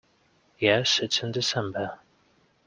Yes, it's in December.